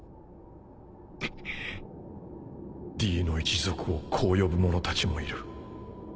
「Ｄ」の一族をこう呼ぶ者たちもいる